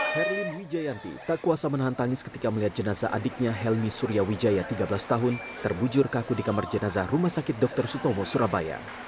herwin wijayanti tak kuasa menahan tangis ketika melihat jenazah adiknya helmi surya wijaya tiga belas tahun terbujur kaku di kamar jenazah rumah sakit dr sutomo surabaya